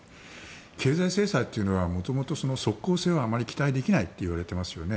経済制裁というのは元々、即効性はあまり期待できないといわれていますよね。